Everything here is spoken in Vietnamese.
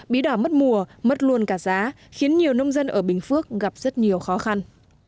bí đỏ mất mùa mất luôn cả giá khiến nhiều nông dân ở bình phước gặp rất nhiều khó khăn